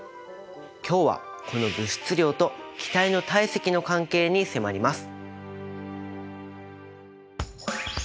今日はこの物質量と気体の体積の関係に迫ります！